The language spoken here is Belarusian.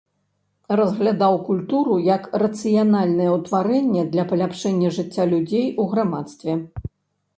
Разглядаў культуру як рацыянальнае ўтварэнне для паляпшэння жыцця людзей у грамадстве.